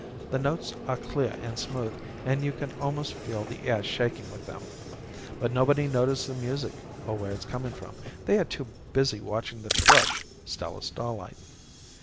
The notes are clear and smooth, and you can almost feel the air shaking with them. But nobody notices the music or where it comes from. They are too busy watching the thrush, Stella Starlight.